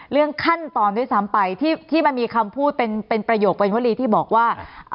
เรื่องขั้นตอนด้วยซ้ำไปที่มันมีคำพูดเป็นประโยควัยวรีที่บอกว่า